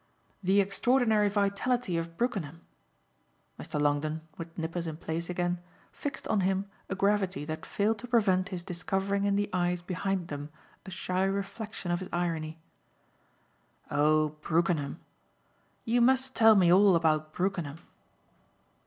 "The extraordinary vitality of Brookenham?" Mr. Longdon, with nippers in place again, fixed on him a gravity that failed to prevent his discovering in the eyes behind them a shy reflexion of his irony. "Oh Brookenham! You must tell me all about Brookenham."